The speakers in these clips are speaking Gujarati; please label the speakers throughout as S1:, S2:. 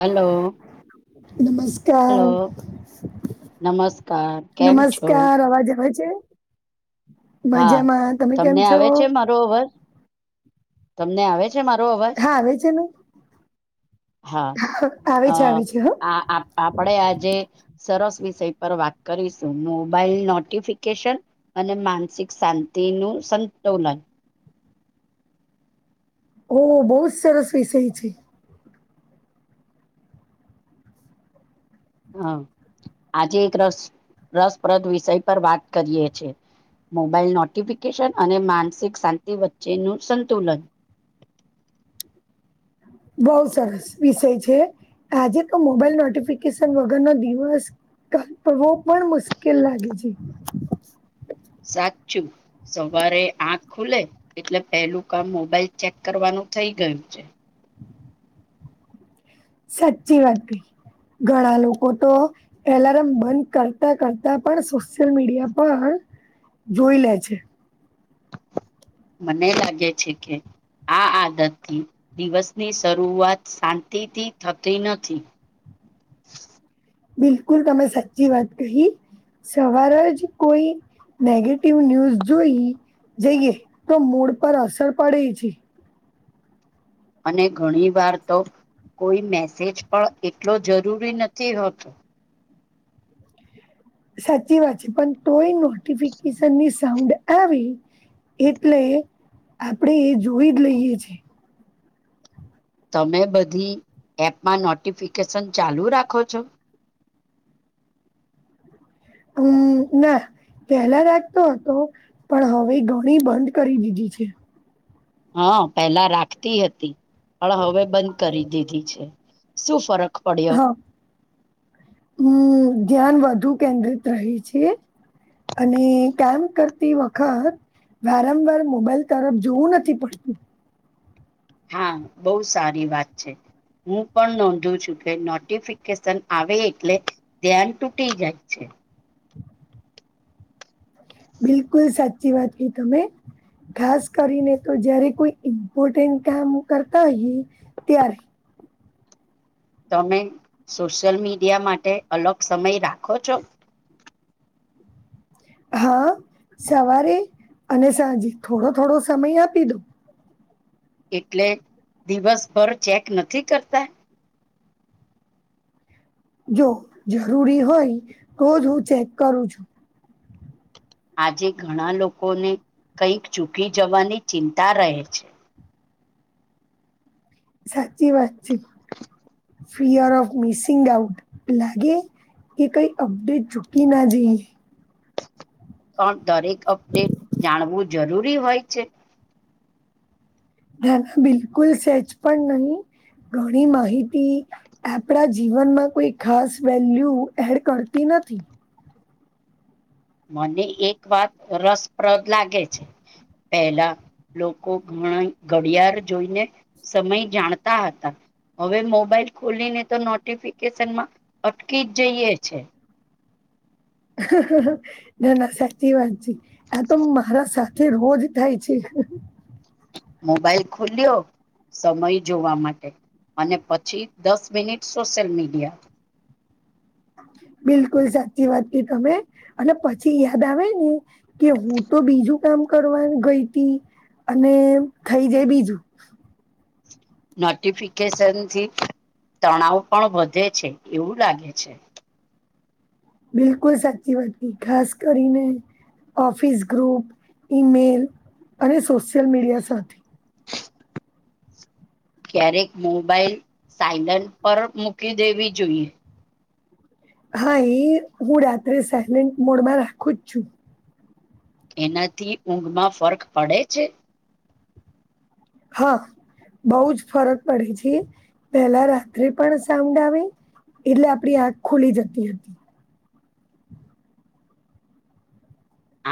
S1: હલો.
S2: નમસ્કાર
S1: હલો નમસ્કાર કેમ છો
S2: નમસ્કાર અવાજ આવે છે.
S1: હા
S2: મજામાં. તમે કેમ
S1: તમને
S2: છો?
S1: આવે છે મારો અવાજ તમને આવે છે? મારો અવાજ
S2: હા આવે છે ને
S1: હા
S2: આવે
S1: અ
S2: છે આવે છે હ
S1: આ આપડે આજે સરસ વિષય પર વાત કરીશું મોબાઈલ નોટિફિકેશન અને માનસિક શાંતિ નું સંતુલન
S2: હા બોજ સરસ વિષય છે.
S1: હા આજે એક રસ રસપ્રદ વિષય પર વાત કરીએ છે. મોબાઈલ નોટિફિકેશન અને માનસિક શાંતિ વચ્ચેનું સંતુલન. [inaudible]
S2: બહુ સરસ વિષય છે. આજે તો મોબાઈલ નોટિફિકેશન વગરનો દિવસ કાપવો પણ મુશ્કેલ લાગે છે.
S1: સાચું સવારે આખ ખુલે એટલે પેલું કામ મોબાઈલ ચેક કરવાનું થઈ ગયું છે.
S2: સાચી વાત કઈ ઘણા લોકો તો એલાર્મ બંધ કરતા કરતા પણ સોશિયલ મીડિયા પર જોઈ લે છે.
S1: મને લાગે છે કે આ આદતથી દિવસની શરૂઆત શાંતિથી થતી નથી. [inaudible]
S2: બિલકુલ તમે સાચી વાત કહી. સવાર જ કોઈ નેગેટિવ ન્યૂઝ જોઈ જઈએ તો મૂડ પર અસર પડે છે.
S1: અને ઘણી વાર તો કોઈ મેસેજ પણ એટલો જરૂરી નથી હોતો.
S2: સાચી વાત છે પણ તોય નોટિફિકેશન ની સાઉડ આવી એટલે આપડે એ જોઈ જ લઈએ છે.
S1: તમે બધી એપમાં નોટિફિકેશન ચાલુ રાખો છો?
S2: હમ્મ ના પેલા રાખતો હતો પણ હવે ઘણી બંધ કરી દીધી છે.
S1: હા પેલા રાખતી હતી પણ હવે બંધ કરી દીધી છે. શું ફરક પડ્યો
S2: હા હમ્મ ધ્યાન વધુ કેન્દ્રિત રહી છે અને કેમ્પ કરતી વખત વારંવાર મોબાઈલ તરફ જોવું નથી પડતું.
S1: હા બહ સારી વાત છે. હું પણ નોંધું છું કે નોટિફિકેશન આવે એટલે ધ્યાન તૂટી જાય છે.
S2: બિલકુલ સાચી વાત કી તમે. ખાસ કરીને તો જયારે કોઈ ઇમ્પોર્ટન્ટ કામ કરતા હોય ત્યારે.
S1: તમે સોશિયલ મીડિયા માટે અલગ સમય રાખો છો?
S2: હા સવારે અને સાંજે થોડો થોડો સમય આપી દો.
S1: એટલે દિવસભર ચેક નથી કરતા.
S2: જો જરૂરી હોય તો જ હું ચેક કરું છું.
S1: આજે ઘણા લોકોને કંઈક ચૂકી જવાની ચિંતા રહે છે.
S2: સાચી વાત છે ફિયર ઓફ મિસિંગ આઉટ લાગે. એ કઈ અપડેટ ચૂકી ના જઈએ.
S1: પણ દરેક અપડેટ જાણવું જરૂરી હોય છે.
S2: ધના બિલકુલ સેજ પણ નહી. ઘણી માહિતી આપણા જીવનમાં કોઈ ખાસ વેલ્યુ એડ કરતી ન થી.
S1: મને એક વાત રસપ્રદ લાગે છે. પહેલા લોકો ઘણા ઘડિયાળ જોઈને સમય જાણતા હતા. હવે મોબાઈલ ખોલીને તો નોટિફિકેશનમાં અટકી જ જઈએ છે.
S2: ના ના સાચી વાત છે આ તો મારા સા થે રોજ થાય છે.
S1: મોબાઈલ ખુલ્યો સમય જોવા માટે અને પછી દસ મિનિટ સોશિયલ મીડિયા.
S2: બિલકુલ સાચી વાત કી તમે અને પછી યાદ આવે ને કે હું તો તો બીજું કામ કરવા ગયતી અને થઈ જાય બીજું.
S1: નોટિફિકેશન થી તણાવ પણ વધે છે એવું લાગે છે.
S2: બિલકુલ સાચી વાત તી ખાસ કરીને ઓફિસ ગ્રુપ ઇમેલ અને સોશિયલ મીડિયા સાથે.
S1: ક્યારેક મોબાઈલ સાયલન્ટ પર મૂકી દેવી જોઈએ.
S2: હા એ હું રાત્રે સાયલેન્ટ મોડમાં રાખું જ છું.
S1: એનાથી ઊંઘમાં ફર્ક પડે છે.
S2: હા. બવ જ ફરક પડે છે પેલા રાત્રે પણ સાઉન્ડ આવે એટલે આપણી આંખ ખુલી જતી હતી.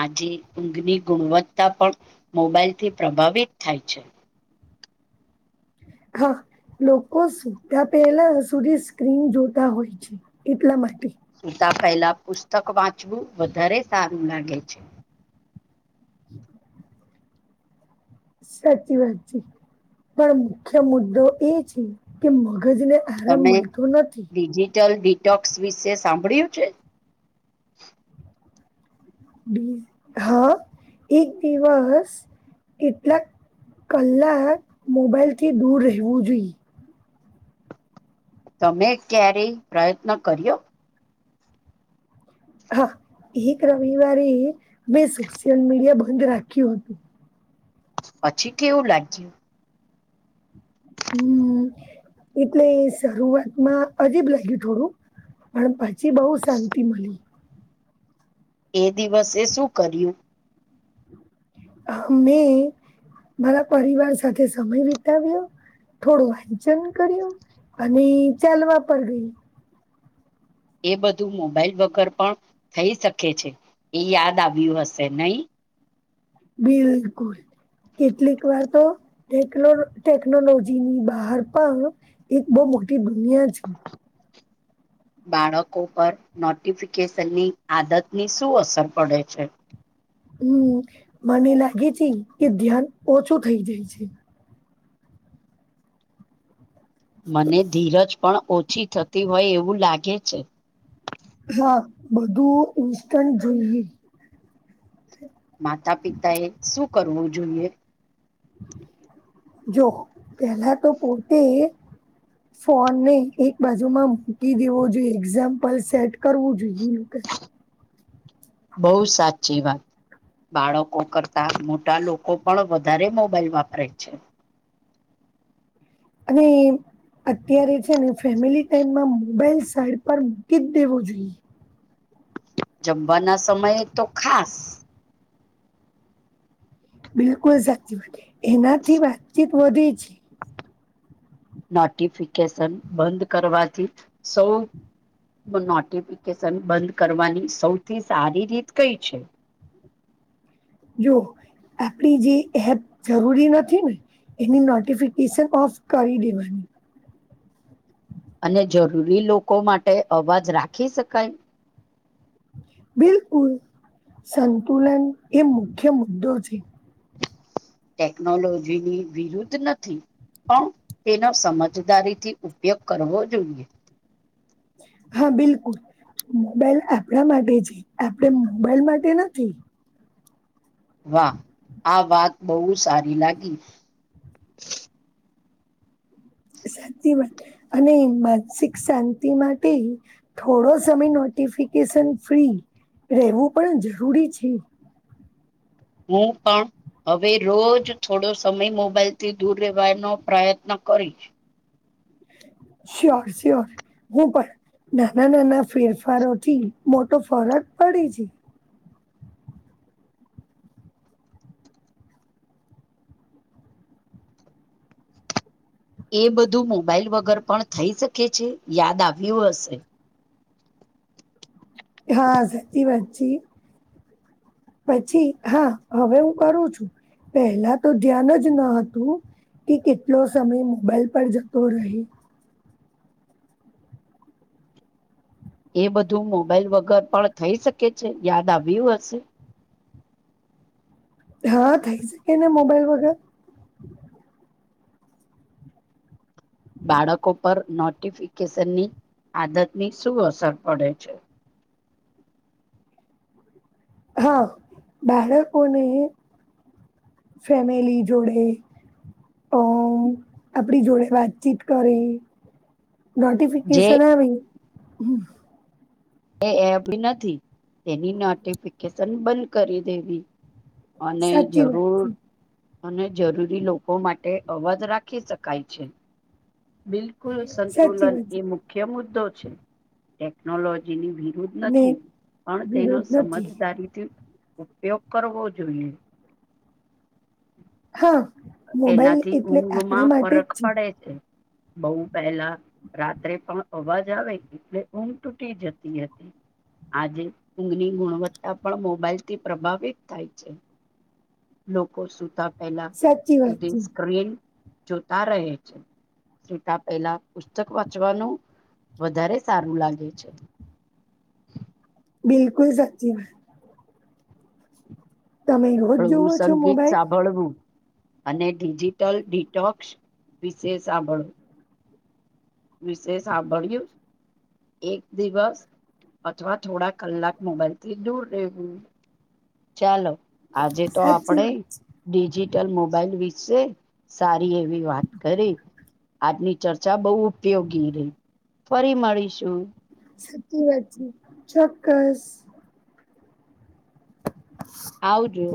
S1: આજે ઊંઘની ગુણવત્તા પણ મોબાઈલથી પ્રભાવિત થાય છે.
S2: હા. લોકો સુતા પહેલા સુધી સ્ક્રીન જોતા હોય છે એટલા માટે.
S1: સીતા પહેલા પુસ્તક વાંચવું વધારે સારું લાગે છે.
S2: સાચી વાત છે પણ મુખ્ય મુદ્દો એ છે કે મગજને આરામ મળતો નથી.
S1: ડક્સ વિશે સાંભળ્યું છે.
S2: હા એક દિવસ કેટલાક કલા મોબાઈલથી દૂર રહેવું જોઈએ.
S1: તમે ક્યારેય પ્રયત્ન કર્યો?
S2: હા એક રવિવારે મેં સોશિયલ મીડિયા બંધ રાખ્યું હતું.
S1: પછી કેવું લાગ્યું?
S2: હ એટલે શરૂઆતમાં અજીબ લાગ્યું થોડું પણ પછી બહુ શાંતિ મળી
S1: એ દિવસે શું કર્યું
S2: હ મેં મારા પરિવાર સાથે સમય વિતાવ્યો થોડું વાંચન કર્યું અને ચાલવા પર ગઈ
S1: એ બધું મોબાઈલ વગર પણ થઈ શકે છે એ યાદ આવ્યું હશે નય
S2: બિલકુલ કેટલીક વાર એકલો ટેકનોલોજી ની બહાર પણ એક બહ મોટી દુનિયા છે
S1: બાળકો પર નોટિફિકેશનની આદતની શું અસર પડે છે
S2: હ મને લાગે છે કે ધ્યાન ઓછું થઈ જાય છે
S1: મને ધીરજ પણ ઓછી થતી હોય એવું લાગે છે
S2: હા બધું ઇન્સ્ટન્ટ જોઈએ
S1: માતા પિતાએ શું કરવું જોઈએ?
S2: જો પેલા તો પોતે ફોનને એક બાજુમાં મૂકી દેવો જોઈએ એક્ઝામ્પલ સેટ કરવું જોઈએ લોકે.
S1: બહુ સાચી વાત. બાળકો કરતા મોટા લોકો પણ વધારે મોબાાઈલ વાપરે છે.
S2: અને અત્યારે છેને ફેમિલી ટાઈમમાં મોબાાઈલ સાઈડ પર મૂકી જ દેવો જોઈએ.
S1: જમવાના સમયે તો ખાસ.
S2: બિલકુલ સાચી વાતે, એનાથી વાતચીત વધે છે.
S1: નોટિફિકેશન બંધ કરવાથી સૌ નોટિફિકેશન બંધ કરવાની સૌથી સારી રીત કઈ છે?
S2: જો આપડી જે એપ જરૂરી નથીને એની નોટિફિકેશન ઓફ કરી દેવાની.
S1: અને જરૂરી લોકો માટે અવાજ રાખી શકાય?
S2: બિલકુલ, સંતુલન એ મુખ્ય મુદ્દો છે.
S1: ટેકનોલોજીની વિરુદ્ધ નથી. પણ તેનો સમજદારીથી ઉપયોગ કરવો જોઈએ.
S2: હા બિલકુલ. મોબાઈલ આપરા માટે છે આપડે મોબાઈલ માટે નથી.
S1: વાહ, આ વાત બહુ સારી લાગી.
S2: શાંતિ માટે અને માનસિક શાંતિ માટે થોડો સમય નો નોટિફિકેશન ફ્રી રહેવું પણ જરૂરી છે.
S1: હું પણ હવે રોજ થોડો સમય મોબાઈલથી દૂર રહેવાનો પ્રયત્ન કરીશ.
S2: શયોર શયોર, હું પણ. નાના નાના ફેરફારોથી મોટો ફરક પડે છે.
S1: એ બધું મોબાઈલ વગર પણ થઈ શકે છે યાદ આવ્યું હશે.
S2: હા, સાચી વાત છે ઈ. પછી હા, હવે હું કરું છું. પહેલાં તો ધ્યાન જ ન હતું. કે કેટલો સમય મોબાઈલ પર જતો રહે.
S1: એ બધું મોબાઈલ વગર પણ થઈ શકે છે યાદ આવ્યું હશે.
S2: હા, થઈ શકેને મોબાઈલ વગર.
S1: બાળકો પર નોટિફિકેશનની આદતની શું અસર પડે છે?
S2: હા, બાળકોને. ફેમેલી જોડે. અ આપડી જોડે વાતચીત કરી.
S1: જે
S2: નોટિફિકેશન આવી.
S1: એ એપની નથી તેની નોટિફિકેશન બંધ કરી દેવી. અને
S2: સાચી વાત
S1: જરૂર.
S2: છે
S1: અને જરૂરી લોકો માટે અવાજ રાખી શકાય છે. બિલકુલ,
S2: સાચી
S1: સંતુલન
S2: વાત
S1: એ
S2: છે
S1: મુખ્ય મુદ્દો છે ટેકનોલોજીની
S2: અને
S1: નથી પણ તેનો
S2: વિરોધ નથી
S1: સમજદારીથી ઉપયોગ કરવો જોઈએ.
S2: હા. મોબાઈલ
S1: એનાથી
S2: એટલે
S1: ઊંઘમાં
S2: આપણા માટે
S1: ફરક
S2: જ
S1: પડે છે. બોઉ પહેલા રાત્રે પણ અવાજ આવે એટલે ઊંઘ તૂટી જતી હતી. આજે ઊંઘની ગુણવત્તા પણ મોબાઈલથી પ્રભાવિત થાય છે. લોકો સુતા પહેલા
S2: સાચી વાત
S1: સુધી
S2: છે
S1: સ્ક્રીન જોતા રહે છે. સૂતા પહેલા પુસ્તક વાંચવાનું વધારે સારું લાગે છે.
S2: બિલકુલ સાચી વાત. તમે રોજ
S1: હળવું
S2: જોવો છો
S1: સંગીત
S2: મોબાઈલ
S1: સાંભળવું. અને ડિજિટલ ડિટોક્સ વિશે સાંભળો. વિશે સાંભળ્યું. એક દિવસ અથવા થોડા કલાક મોબાઈલથી દૂર રહેવું. ચાલો આજે તો
S2: સાચી
S1: આપડે
S2: વાત
S1: ડીજી ટલ મોબાઈલ વિશે સારી એવી વાત કરી આજની ચર્ચા બઉ ઉપયોગી રહી ફરી મળીશું.
S2: સાચી વાત છે, ચોક્કસ.
S1: આવજો.